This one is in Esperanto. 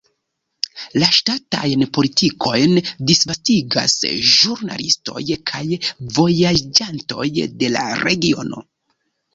La ŝtatajn politikojn disvastigas ĵurnalistoj kaj vojaĝantoj de la regiono.